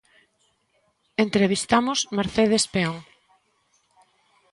Entrevistamos Mercedes Peón.